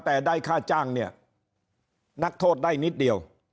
แต่ได้ค่าจ้างเนี่ยนักโทษได้นิดเดียว